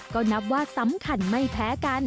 ก็นับว่าสำคัญไม่แพ้กัน